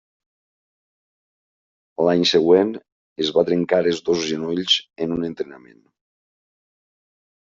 L'any següent es va trencar els dos genolls en un entrenament.